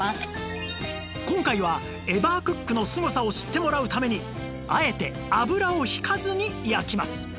今回はエバークックのすごさを知ってもらうためにあえて油をひかずに焼きます